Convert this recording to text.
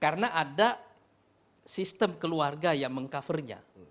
karena ada sistem keluarga yang mengcovernya